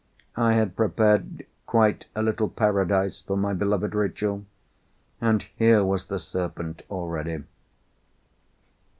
I had prepared quite a little Paradise for my beloved Rachel—and here was the Serpent already!